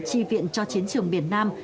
chi viện cho chiến trường miền nam